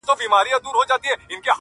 د زړو غمونو یاري، انډيوالي د دردونو~